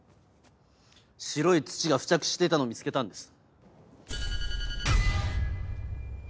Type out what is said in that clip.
白い土が付着していたのを見つけたんです。